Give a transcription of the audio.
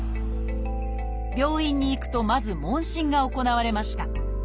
病院に行くとまず問診が行われました。